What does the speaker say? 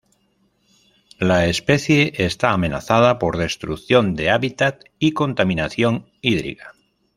La especie está amenazada por destrucción de hábitat y contaminación hídrica.